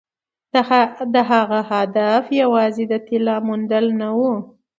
د هغه هدف یوازې د طلا موندل نه وو.